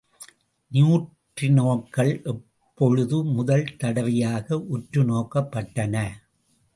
நியூட்ரினோக்கள் எப்பொழுது முதல் தடவையாக உற்றுநோக்கப்பட்டன?